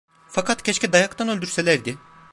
Fakat keşke dayaktan öldürselerdi!